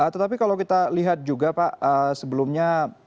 tetapi kalau kita lihat juga pak sebelumnya